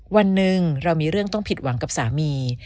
วันหนึ่งเรามีเรื่องต้องผิดหวังกับสามี